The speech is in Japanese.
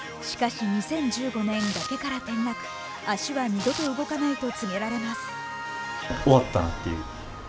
しかし、２０１５年、崖から転落足は二度と動かないと告げられます。